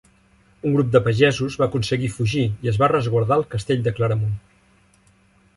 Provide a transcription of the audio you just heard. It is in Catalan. Un grup de pagesos va aconseguir fugir i es va resguardar al castell de Claramunt.